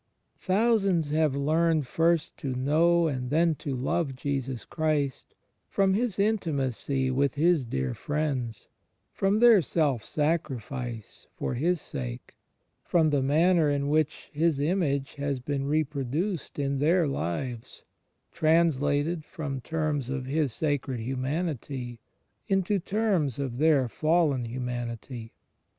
Thousands have learned first to know and then to love Jesus Christ, from His intimacy with His dear friends, from their self sacrifice for His sake, from the manner in which His image has been reproduced in their lives, translated from terms of His Sacred Humanity into terms of their fallen himianity.